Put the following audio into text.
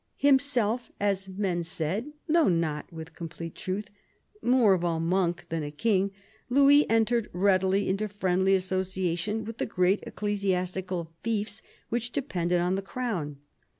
Himself, as men said, though not with complete truth, more of a monk than a king, Louis entered readily into friendly association with the great ecclesiastical fiefs which depended on the crown.